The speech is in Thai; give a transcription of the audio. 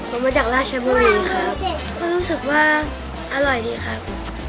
ผมมาจากราชมะมีนครับเขารู้สึกว่าอร่อยดีครับ